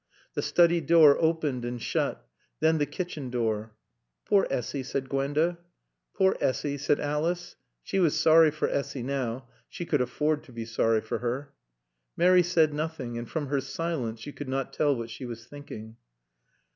The study door opened and shut. Then the kitchen door. "Poor Essy," said Gwenda. "Poor Essy," said Alice. She was sorry for Essy now. She could afford to be sorry for her. Mary said nothing, and from her silence you could not tell what she was thinking.